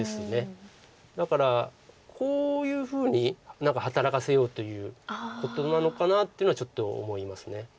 だからこういうふうに何か働かせようということなのかなっていうのはちょっと思います。